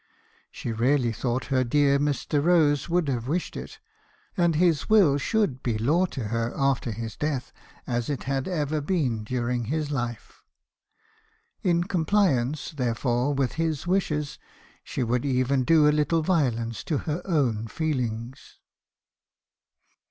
She really thought her dear Mr. Rose would have wished it; and his will should be law to her after his death, as it had ever been during his life. In compliance , therefore , with his wishes , she would even do a little violence to her own feelings.